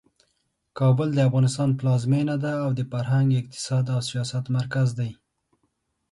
کابل د افغانستان پلازمینه ده او د فرهنګ، اقتصاد او سیاست مرکز دی.